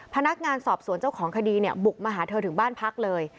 พนักงานสอบสวนเจ้าของคดีเนี่ยบุกมาหาเธอถึงบ้านพักเลย